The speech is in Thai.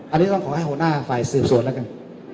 อันนี้ต้องขอให้หัวหน้าฝ่ายสืบสวนแล้วกัน